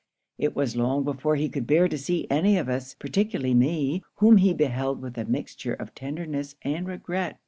'It was long before he could bear to see any of us; particularly me, whom he beheld with a mixture of tenderness and regret.